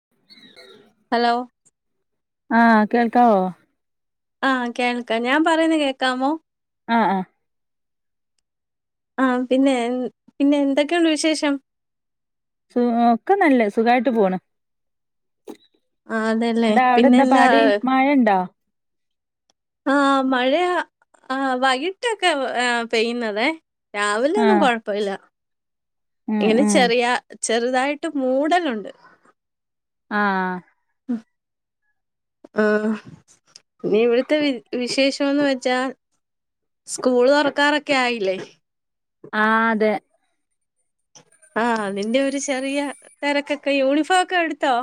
[inaudible] Hello ആ കേൾക്കാവൊ ആ കേൾക്ക ഞാൻ പറയുന്ന കേക്കാമോ ആ ആ ആ പിന്നെ പിന്നെ എന്തൊക്കെയുണ്ട് വിശേഷം സു ഒക്കെ നല്ല സുഖായിട്ട് പോണ് ആഹ് അതെല്ലേ എട അവിടെ എന്താ പിന്നെന്താ പാട് മഴ ഇണ്ടോ ആ മഴ ആ വൈകിട്ടൊക്കെ പെയ്യുന്നതെ രാവിലൊന്നും ആഹ് കൊഴപ്പല്ല ഉം ഇങ്ങനെ ഉം ചെറിയ ചെറുതായിട്ട് മൂടലുണ്ട് ആ ഹ് ആ ഇനി ഇവിടത്തെ വി വിശേഷംന്ന് വെച്ചാ സ്കൂൾ തുറക്കാറൊക്കെ ആയില്ലേ ആഹ്‌ അതെ ആഹ് അതിന്റെ ഒരു ചെറിയ തിരക്കൊക്കെ യൂണിഫോം ഒക്കെ എടുത്തോ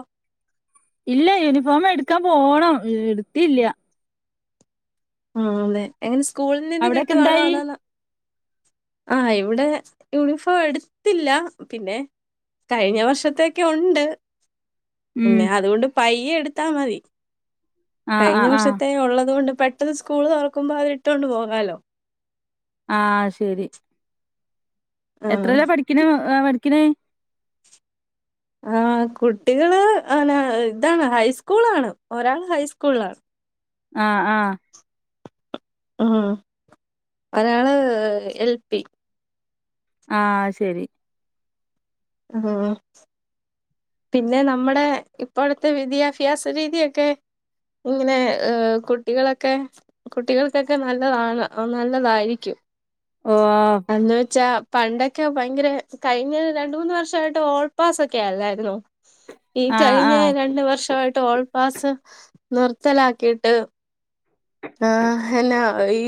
ഇല്ല യൂണിഫോം എടുക്കാൻ പോണം ഇടുത്തില്ല ആഹ് അതെ എങ്ങനെ [unintelligible] സ്കൂളിൽ നിന്ന് അവിടൊക്കെ കിട്ടുവാണോ എന്തായി അനൊ ന്ന ആ ഇവിടെ യൂണിഫോം എടുത്തില്ല പിന്നെ കഴിഞ്ഞ വർഷത്തൊക്കെ ഉണ്ട് ഉം പിന്നെ അതുകൊണ്ട് പ്പ് പയ്യ എടുത്താ മതി ആഹ് കഴിഞ്ഞ ആഹ് ആഹ് വർഷത്തെ ഉള്ളത്കൊണ്ട് പെട്ടന്ന് സ്കൂൾ തുറക്കുമ്പോ അത് ഇട്ടോൊണ്ട് പോകാലോ ആഹ് ശരി ആഹ് എത്രല്ല പഠിക്കണ ആഹ് പഠിക്കണ ആഹ്‌ കുട്ടികള് ആല താണ് ഹൈസ്കൂളാണ്, ഒരാള് ഹൈസ്കൂൾ ലാ ആഹ് ആഹ് ഉം ഒരാള് എൽ പി ആഹ്‌ ശരി ആഹ്‌ പിന്നെ നമ്മുടെ ഇപ്പോഴത്തെ വിദ്യാഭ്യാസ രീതിയൊക്കെ ഇങ്ങനെ ഏ കുട്ടികളൊക്കെ കുട്ടികൾക്കൊക്കെ നല്ലതാണ് നല്ലതായിരിക്കും ഓ എന്ന് വെച്ചാ പണ്ടൊക്കെ ഭയങ്കര കഴിഞ്ഞ രണ്ട മൂന്നന്ന് വർഷമായിട്ട് ഓൾപാസക്കെ അല്ലായിരുന്നു ഈ ആഹ് കഴിഞ്ഞ ആഹ് രണ്ട് വർഷമായിട്ട് ഓൾ പാസ് നിർത്തലാക്കിയിട്ട് ആഹ് എന്നാ ഈ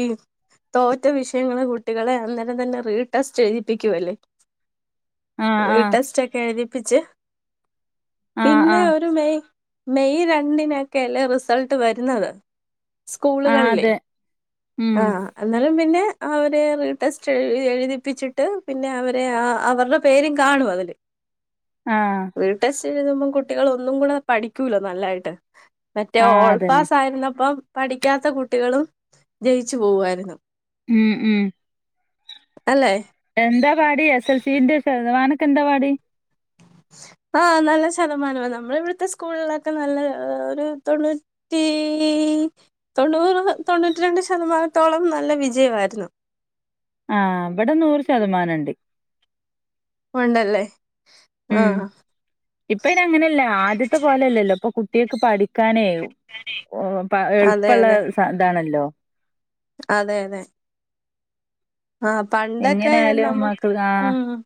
തോറ്റ വിഷയങ്ങലെ കുട്ടികളെ അ തന്നെ റീടെസ്റ്റ് എഴുതിപ്പിക്കുവല്ലേ ആഹ് ആഹ് റീട്ടഷ്ട കഴതി പ്പിച്ച് ആഹ് പിന്നെ ആഹ് ഒരു മെയ് മെയ് രണ്ടിനൊക്കെയല്ലേ റിസൽട്ട് വരുന്നത് ആഹ് സ്കൂളുകളില്ലേ അതെ ഉം അന്നാലും പിന്നെ അവര് റിടെസ് എഴുതിപ്പിച്ചിട്ട് പിന്നെ അവരെ അവരുടെ പേരും കാണും അതില് ആ എഴുതുമ്പോ കുട്ടികള് ഒന്നുങ്കുടെ പഠിക്കൂല്ലോ നല്ലായിട്ട് മറ്റേ ആഹ് അതന്നെ ഓൾപാസ് ആയിര്ന്നപ്പം പഠിക്കാത്ത കുട്ടികളും ജയിച്ചു പോവുവായിരുന്നു ഉം ഉം അല്ലേ എന്താ പാടി എസ് എൽ സിന്റെ ശതമാനക്കെ എന്താ പാടി ആ നല്ല ശതമാനമാ നമ്മളവിടുത്തെ സ്കൂളിലക്ക നല്ല ഒരു തൊണ്ണൂറ്റി തൊണ്ണൂറ് തൊണ്ണൂറ്റി രണ്ട് ശതമാനത്തോളം നല്ല വിജയവരുന്നേ ആ ഇബടെ നൂറ് ശതമാനുണ്ട് ണ്ടല്ലേ ഉം ഇപ്പ ഇനി അങ്ങനെല്ല ആദ്യത്തെ പോലെല്ലല്ലോ ഇപ്പൊ കു കുട്ടികൾക്ക് പഠിക്കാനേ [unintelligible] അതെ എളുപ്പള്ള അതെ ഇതാണല്ലോ അതെ അതെ ആ പണ്ടൊക്കെ എങ്ങനെയാലും നമുക്ക് മക്കൾ ഊ ആഹ് ഉം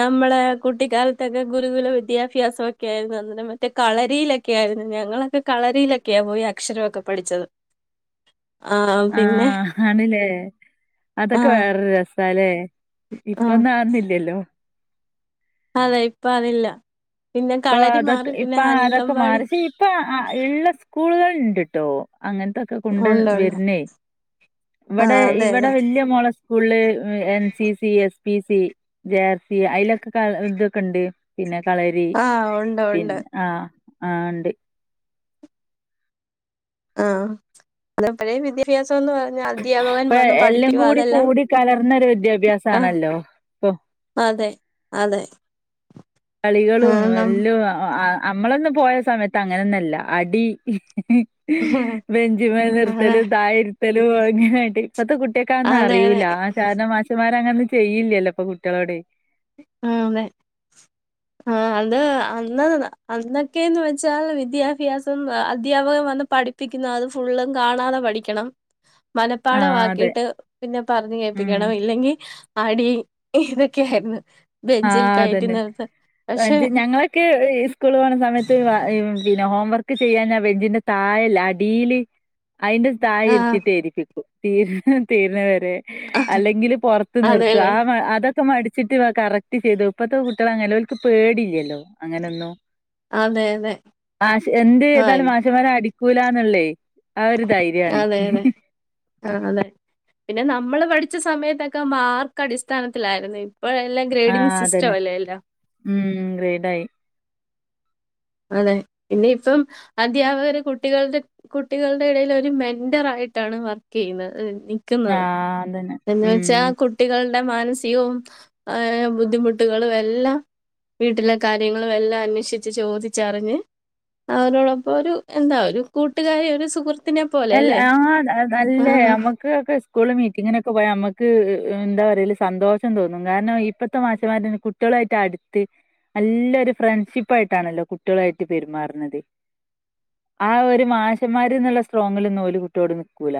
നമ്മളെ കുട്ടിക്കാലത്തൊക്കെ ഗുരുകുല വിദ്യാഭ്യാസൊക്കെ ആരുന്നു അന്നെ മറ്റേ കളരിയിലൊക്കെ ആരുന്നു ഞങ്ങളൊക്കെ കളരിയിലൊക്കെയാ പോയി അക്ഷരമൊക്കെ പഠിച്ചത് ആ ആണില്ലേ ആ അതൊക്കെ വേറൊരു രസാലേ ആ ഇപ്പൊന്നു അന്നില്ലല്ലോ അതെ ഇപ്പൊ അതില്ല പിന്നെ ഇപ്പൊ കളരി അതൊ മാറി ഇപ്പ പിന്നെ അതൊക്കെ അംഗൻവാടി മാറിച്ച് ഇപ്പൊ ഇള്ള സ്കൂളുകള് ഉണ്ട്ട്ടോ അങ്ങനത്തൊക്കെ കൊണ്ട് ഉണ്ട് ഉണ്ട്. വരുന്നേ ആ ഇവടെ അതെ ഇവടെ അതെ. വല്യ മോള school N C C S PC JRC അയിലൊക്കെ ഇതൊക്കെ ഉണ്ട് പിന്നെ കള ആ ഒണ്ട് ഒണ്ട് ആ ണ്ട് ആ അത്പ്പഴേ വിദ്യാഭ്യാസ [unintelligible] പറഞ്ഞ അധ്യാപകൻ ഇപ്പൊ വന്ന് എല്ലാം പഠിപ്പി കൂടി അതല്ല കൂടി കലർന്നൊരു ആ വിദ്യാഭ്യാസാണല്ലോ ഇപ്പൊ അതെ അതെ ആ കളികളും നം എല്ലോം ആ നമ്മളൊന്ന പോയ സമയത്ത് അങ്ങനൊന്നല്ല അടി ബെഞ്ചിമൽ അതെ നിർത്തലും തായെരുത്തലും അങ്ങനെയിട്ട് ഇപ്പത്തെ കുട്ടിയക്കന്നും അതെ അതെ. അറിയൂല്ല അതെ ആ സാര മാശ്മാര് ഇപ്പ അങ്ങന്ന് ചെയ്യില്ലല്ലോ ഇപ്പൊ കുട്ടികളോട് ആ തെ ആ അത് അന്ന് അന്നൊക്കെന്ന് വെച്ചാൽ വിദ്യാഭ്യാസം അധ്യാപകൻ വന്ന് പഠിപ്പിക്കുന്നത് ഫുള്ളും കാണാതെ പഠിക്കണം ആഹ് അതെ മനപ്പാഠമാക്കിയിട്ട് പിന്നെ പറഞ്ഞു ഉം കേപ്പിക്കണം ഇല്ലെങ്കി അടി ഇതൊക്കെയായിരുന്നു ബെഞ്ചിൽ ആഹ് കയറ്റി അതന്നെ നിർത്ത പക്ഷെ ഞങ്ങൾക്ക് സ്കൂൾ പോണ സമയത്ത് പിന്നെ ഹോംവർ [unintelligible] ചെയ്യാൻ ആ ബെഞ്ചിന്റെ താഴെയില്ലേ അടിയില്- അതിന്റെ താഴെ ആഹ് ഇരുത്തീട്ട് എഴുതിപ്പിക്കും തീർ തീർന്ന വര അല്ലെങ്കിൽ പുറത്ത് നിർത്ത അതെല്ലേ ആ അതാ [unintelligible] [unintelligible] ചെയ്തു ഇപ്പഴത്തെ കുട്ടികൾ അങ്ങനെയല്ല ഓൽക്ക് പേടി ഇല്ലല്ലോ. അങ്ങനെയൊന്നു അതെ അതെ മാഷ് എന്ത് ആഹ് ചെയ്താലും മാഷുമാര് അടി ക്കൂലാ നിള്ളേ ആ ഒരു ധൈര്യാണ് ആ അതെ പിന്നെ നമ്മള് പഠിച്ച സമയത്തൊക്കെ മാർക്ക് അടിസ്ഥാനത്തിലായിരുന്നു ഇ ഇപ്പോ എല്ലാം ഗ്രേഡിങ് ആഹ് സിസ്റ്റം അതന്നെ അല്ലേ എല്ലാം ഉം ഗ്രേഡായി അതെ പിന്നെ ഇപ്പം അധ്യാപകര് കുട്ടികളുടെ കുട്ടികളുടെ എടയില് ഒരു മെന്റർ ആയിട്ടാണ് വർക്ക് ചെയ്യുന്നത്. നിക്കുന്നത്. ആഹ് അതന്നെ എന്ന് വച്ചാ ഉം ആ കുട്ടികൾ മാനസികവും ബുദ്ധിമുട്ടുകളും എല്ലാം വീട്ടിലെ കാര്യങ്ങളും എല്ലാം അന്വേഷിച്ച് ചോദിച്ചറിഞ്ഞ് അവരോടൊപ്പം ഒരു എന്താ ഒരു കൂട്ടുകാരി ഒരു സുഹൃ അല്ല ആ അല്ലേ നമ്മുക്ക് ഒക്കെ ഉസ്കൂളില് മീറ്റിങ്ങിനൊക്കെ പോയാ നമ്മക്ക് എന്താ പറയല്ല സന്തോഷം തോന്നും കാരണം ഇപ്പഴത്തെ മാഷന്മാര് കുട്ടികളായിട്ട് അടുത്ത് നല്ലരു ഫ്രണ്ട്ഷിപ്പ് ആയിട്ടാണല്ലോ കുട്ടികളായിട്ട് പെരുമാറുന്നത് ആ ഒരു മാഷന്മാര്ന്നുള്ള സ്ട്രോങ്ങിൽ ഒന്നും കുട്ടിയോട് നിക്കൂല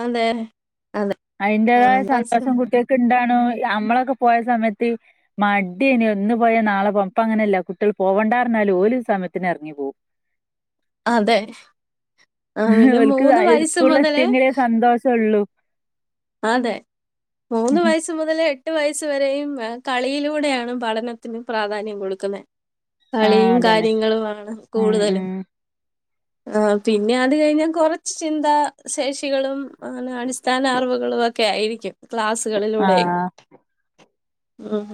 ആന്നെ അതിന്റേതായ സന്തോഷം കുട്ടികൾക്ക് ഇണ്ടാണ് നമ്മളൊക്കെ പോയ സമയത്ത് മടിന്നെ ഇന്ന് പോയ നാളെ പോം ഇപ്പം അങ്ങനെയല്ല കുട്ടികൾ പോവണ്ടരന്നാലും ഓല് സമയത്തിന് ഇറങ്ങി പോവും അതെ ആഹ് പിന്നെ ഓൽക്ക് വയസ്സ് ഉസ്കൂളിൽ മുതല് എത്തിയങ്കിലേ സന്തോഷം ഒള്ളു അതെ മൂന്ന് വയസ്സ് മുതലേ എ എട്ട് വയസ് വരെയും കളിയിലൂടെയാണ് പഠനത്തിന് പ്രാധാന്യം കൊടുക്കുന്നേ ആ കളിയും അതന്നെ കാര്യങ്ങളുമാണ് ഉം കൂടുതലും ഉം ആ പിന്നെ അത് കഴിഞ്ഞാൽ കൊറച്ച് ചിന്താ ശേഷി [unintelligible] [unintelligible] ക്കൂളു തൊക്കെ ആയിരിക്കും. ക്ലാസുകളിലൂടെ ആ ഉം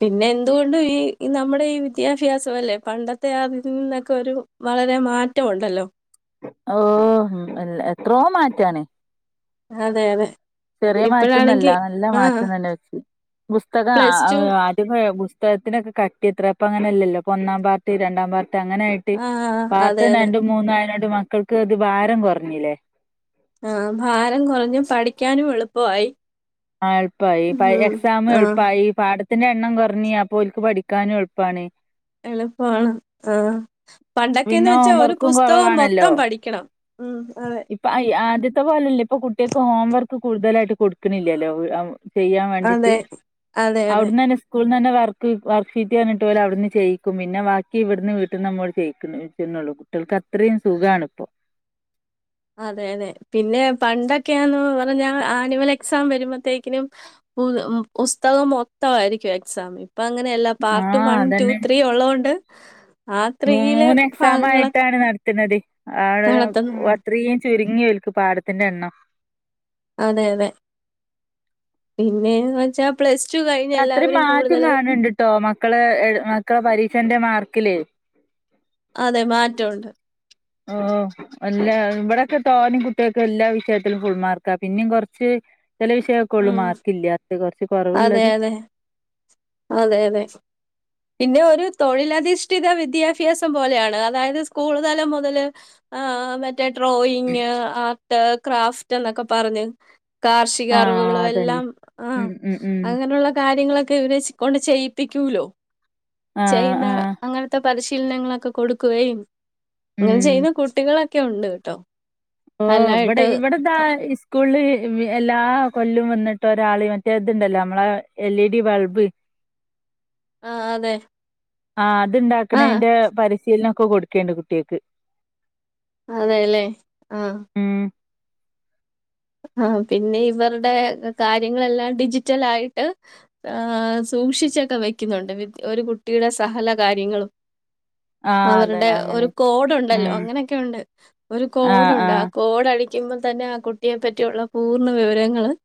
പിന്നെ എന്തുകൊണ്ടും ഈ നമ്മുടെ ഈ വിദ്യാഭ്യാസം അല്ലെ പണ്ടത്തെ അതിൽ നിന്നൊക്കെ ഒരു വളരെ മാറ്റമുണ്ടല്ലോ. ഓ ഉം അല്ല എത്രോ മാറ്റാണ്. അതെ അതെ. ചെറിയ മാറ്റമൊന്നും ഇപ്പഴാണെങ്കി അല്ല നല്ല ആഹ് മാറ്റംന്നല്ല പുസ്തകം പ്ലസ് ടു ആദ്യ പുസ്തകത്തിനൊക്കെ ക ട്ടി ഇത്ര ഇപ്പ അങ്ങനല്ലോ ഒന്നാം പാർട്ട്‌ രണ്ടാം പാർ ട്ട് അങ്ങനെ ആയിട്ട് ആഹ് അതെ പാർട്ട് അതെ. രണ്ടും മൂന്നും ആയേനോ ത് മക്കൾക്ക് അത് ഭാരം കൊർഞ്ഞില്ലേ. ആ ഭാരം കുറഞ്ഞു പഠിക്കാനും എളു പ്പം ആയി ആ എളുപ്പമായി എക്സാം ആഹ് എളുപ്പമായി പാട ത്തിന്റെ എണ്ണം കുറഞ്ഞി അപ്പോലക്ക് പഠിക്കാനും എളുപ്പമാണ് എളുപ്പമാണ് ആ പണ്ടൊക്കെന്ന് പിന്നെ വെച്ചാ ഒരു ഹോംവർക്കും പുസ്തകം കുറവാണല്ലോ മൊത്തം പഠിക്കണം ഉം അതെ ഇത്തെ [unintelligible] പോലെല്ലേ ഇപ്പൊ കുട്ടികൾക്ക് ഹോംവർക്ക് കൂടുതലായിട്ട് കൊടുക്കുന്നില്ലല്ലോ ചെയ്യാൻ വേണ്ടീട്ട് അതെ അതെ അതെ അവിടന്ന് തന്നെ സ്കൂ തന്നെ വർക്ക് വർക്ക്ഷീറ്റ് പറന്നഞ്ഞിട്ട പോലെ അവിടുന്ന് ചെയ്യിക്കും പിന്നെ ബാക്കി ഇവിടുന്ന് വീട്ടിൽ നിന്ന് ചെയ്ക്കും ള്ളൂ കുട്ടികൾക്ക് അത്രയും സുഖാണ് ഇപ്പൊ അതെ അതെ പിന്നെ പണ്ട ക്കെയന്ന് പറഞ്ഞ ആനുവൽ എക്സാം വരുമ്പത്തേക്കിനും പുസ്തകം മൊത്തമായിരിക്കും എക്സാം അങ്ങനെയല്ല പാർട്ട് ആഹ് വൺ ടു അതന്നെ ത്രീ ഉള്ളതുകൊണ്ട് മൂന്ന് എക്സാം ഭാഗങ്ങളൊക്കെ ആയിട്ടാണ് നടത്തുന്നത് ആടെ [unintelligible] നടത്തുന്നുള്ളൂ അത്രയും ചുരുങ്ങിവൽക്ക് [unintelligible] പാടത്തിന്റെ എണ്ണം അതെ അതെ പിന്നെന്ന് വെച്ചാ പ്ലസ് ടു കഴിഞ്ഞ് അത്രയും എല്ലാവരും മാറ്റം കൂടുതല് കാണണ്ട്ട്ടോ മക്കള് മക്കളെ പരീക്ഷന്റെ മാർക്ക് ക്കിലേ അതെ മാറ്റമുണ്ട് ഓ എല്ലാ ഇവിടൊക്കെ തോനേയും കുട്ടികൾക്ക് എല്ലാ വിഷയത്തിലും ഫുൾ മാർക്കാ പിന്നേയും കൊറച്ച് ചില വിഷയമൊക്കെ ഉള്ളൂ ഉം മാർക്കല്ല അത് കുറച്ച് അതെ കുറവുള്ളത് അതെ അതെ അതെ പിന്നെ ഒരു തൊഴിലധിഷ്ഠിത വിദ്യാഭ്യാസം പോലെയാണ് അതായത് സ്കൂൾ തലം മുതൽ ആ മറ്റ മറ്റേ ഡ്രോയിങ് ആ ത് ക്രാഫ്റ്റ് എന്നൊക്കെ പറഞ്ഞു കാർഷിക ആഹ് അറിവുകളും അതന്നെ എല്ലാം ആ ഉം ഉം ഉം അങ്ങനെയുള്ള കാര്യങ്ങളൊക്കെ ഇവരെ കൊണ്ട് ചെയ്യി തിക്കൂലോ ആഹ് ചെയ്യുന്ന ആഹ് അങ്ങനത്തെ പരിശ ചിഹ്നങ്ങളൊക്കെ കൊടുക്കുകയും അങ്ങനെ ഉം ചെയ്യുന്ന കുട്ടികളൊ ഒക്കെ ഉണ്ട് കേട്ടോ ഓ നല്ലായിട്ട് ഇടെവിടെതാ സ്കൂളിൽ എല്ലാ കൊല്ലും വന്നിട്ട് ഒരാള മറ്റേ ഇതുണ്ടല്ലോ നമ്മളെ എൽ ഇ ഡി ബൾബ് ആഹ അതെ ആഹ ആഹ് ണ്ടാക്കുണതിന്റെ പരിശീലനം ഇപ്പോ കൊടുക്കേണ്ട കുട്ടിയക്ക് അതെ അല്ലേ ആ ആ പിന്നെ ഇവരുടെ കാര്യങ്ങളെല്ലാം ഡിജിറ്റൽ ആയിട്ട് സൂക്ഷിച്ചൊക്കെ വെക്കുന്നുണ്ട് ഒരു കുട്ടിയുടെ സഹല കാര്യങ്ങളും ആ അവരുടെ അതന്നെ അങ്ങനെ ഒരു കോടു ഉണ്ടല്ലോ ഉം അങ്ങനക്കെണ്ട് ഒരു കോടുണ്ട് ആ കോട് - കഴിയുമ്പോ തന്നെ ആ കുടിക്കും കുട്ടിയെ പറ്റിയുള്ള പൂർണ്ണ വിവരങ്ങള്-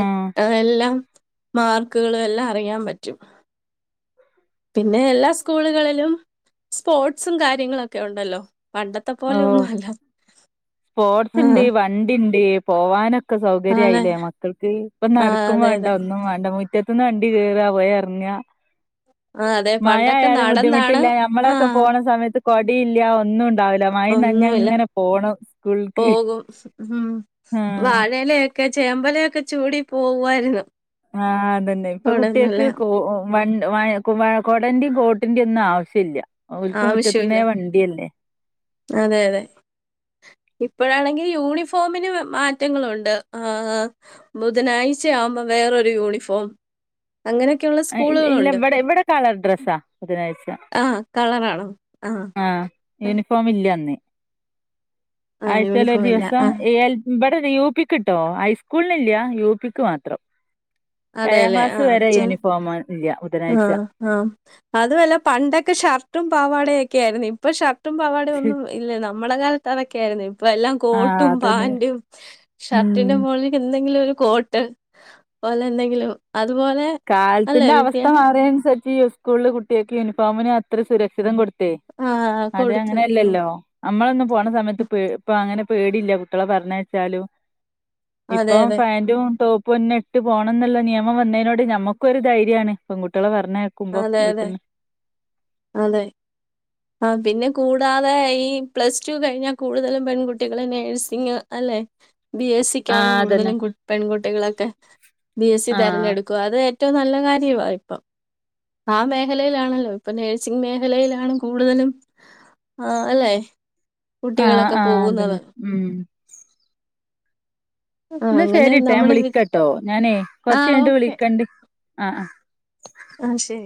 എ എല്ലാം മാർക്ക്കള് എല്ലാം അറിയാൻ പറ്റും പിന്നെ എല്ലാ സ്കൂളുകളിലും സ്പോർട്സും കാര്യങ്ങളൊക്കെ ഉണ്ടല്ലോ പണ്ടത്തെ ഓ പോലെ ഒന്നും അല്ല. സ്പോർട്സ് ഇണ്ട് ആഹ് വണ്ടി ഇണ്ട് പോവാനൊക്കെ ആണ്. സൗകര്യയില്ലേ മക്കൾക്ക് ഇപ്പ ആഹ് നടക്കും അതെ വേണ്ട അതെ. ഒന്നും വേണ്ട മുറ്റത്തന്ന് വണ്ടി കയറുക പോയി ഇറങ്ങുക ആഹ് അതെ പണ്ടൊക്കെ മഴയാലും നടന്നാണ് ബുദ്ധിമുട്ടില്ല ഞമ്മളൊക്കെ ആഹ് പോണ സമയത്ത് കൊടയില്ല ഒന്നും ഉണ്ടാവില്ല മഴ ഒന്നുമില്ല നനഞ്ഞങ്ങനെ പോണം സ്കൂൾക്ക് പോകും ഉം ആഹ്. വാഴയിലയൊക്കെ ഒക്കെ ചേമ്പലയൊക്കെ ചൂടി പോവായിരുന്നു ആ അതന്നെ ഇപ്പൊ കുട്ടികൾക്ക് കോ വ കുടേന്റെയും കോട്ടിന്റെയും ഒന്നും ആവശ്യമില്ല അവർക്ക് ആവശ്യമില്ല മുറ്റത്തൂന്നേ വണ്ടി തന്നേ അതെ അതെ ഇപ്പഴാണെങ്കിൽ യൂണിഫോമിന് മാറ്റങ്ങളുണ്ട് ആ ബുധനാഴ്ചയാവുമ്പോ വേറൊരു യൂണിഫോം അങ്ങനെയൊക്കെയുള്ള ഇല്ല സ്കൂളുകളുണ്ട് ഇവിടെ ഇവിടെ കളർ ഡ്രസ്സാ ബുധനാഴ്ച ആ കളറാണോ ആ യൂണി ഫോം ഇല്ലന്ന്‌ ആ ആഴ്ചേൽ ഒരു യൂണിഫോം ഇല്ല ദിവസം ആ [unintelligible] യുപിക്കിട്ടോ ഹൈസ്കൂളിനില്ല യുപിക്ക് മാത്രം അതെ ഏഴാം അല്ലെ ക്ലാസ് ആ വരെ ചെ [unintelligible] ആ ബുധനാഴ്ച. ആ അതുമല്ല പണ്ടൊക്കെ ഷർട്ടും പാവാടയൊക്കെ ആയിരുന്നു ഇപ്പൊ ഷ ർട്ടും പാവാട ഒന്നും ഇല്ലേ ന നമ്മള കാലത്ത് അതൊക്കെ ആയിരുന്നു. ഇപ്പ എല്ലാം ആഹ് കോട്ടും അതന്നെ. പാന്റും ഷർട്ടിന്റെ ഉം മുകളിൽ എന്തെങ്കിലും ഒരു കോട്ട് പോലെ എന്തെങ്കിലും അതുപോലെ അല്ലേ കാലത്തിന്റെ വിദ്യ? അവസ്ഥ മാ [unintelligible] സരിച്ച് ഈ സ്കൂളില് കുട്ടികൾക്ക് യൂണിഫോമിന് അത്ര സുരക്ഷിതം കൊടു ത്ത് ആ അതെ കൊടുത്ത്. ഉം. അങ്ങനെയല്ലല്ലോ നമ്മളൊന്നും പോണ സമയത്ത് പേ ഇപ്പ അങ്ങനെ പേടില്ല്യ കുട്ടികളെ പറഞ്ഞയച്ചാലും. അതെ, ഇപ്പം അതെ. പാന്റും ടോ പൊന്നിട്ടു പോണംഎന്നള്ള നിയമം വന്നേനോട് ത് ഞമ്മക്ക് ഒരു ധൈര്യാണ് പെങ്കുട്ട്യാളെ പറ എണ്ണേക്കുമ്പം അതെ, അതെ. വീട്ടിന്ന് അതെ. ആ പിന്നെ കൂടാതെ ഈ പ്ലസ് ടു കഴിഞ്ഞാ കൂടുതലും പെൺകുട്ടികള് നഴ്സിംഗ് അല്ലെ? ബി എസ് സിക്കാണ് ആഹ് അതന്നെ കൂടുതലും കു പെൺകുട്ടികളൊക്കെ ബി എസ് സി ആഹ് തിരഞ്ഞെടുക്കും, അത് ഏറ്റവും നല്ല കാര്യവാ ഇപ്പം, ആ മേഖലയിലാണല്ലോ ഇപ്പ നഴ്സിംഗ് മേഖലയിലാണ്. കൂടുതലും, ആ അല്ലെ? ആഹ് കുട്ടികളൊക്കെ ആഹ് പോകുന്നത് അതന്നെ ഉം ആ ഇന്ന അങ്ങനെ ശരിട്ടാ ഞാൻ നമ്മുടെ വി വിളിക്കാട്ടോ ഞാനേ കൊറച്ചു കഴിഞ്ഞിട്ട് വിളിക്കണ്ട് ആഹ് ആഹ് ശരി